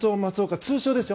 通称ですよ。